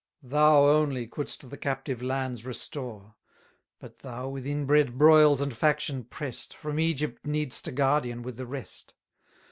Thou only couldst the captive lands restore; But thou, with inbred broils and faction press'd, 570 From Egypt needst a guardian with the rest.